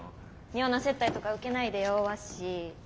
妙な接待とか受けないでよワッシー。